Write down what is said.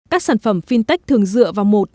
các sản phẩm fintech thường dựa vào một